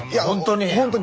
本当に。